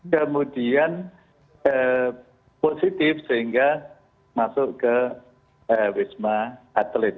kemudian positif sehingga masuk ke wisma atlet